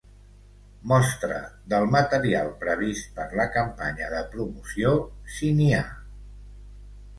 Mostra del material previst per la campanya de promoció, si n'hi ha.